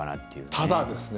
ただですね